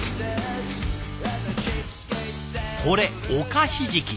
これおかひじき。